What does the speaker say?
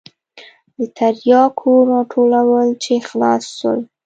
د ترياکو راټولول چې خلاص سول.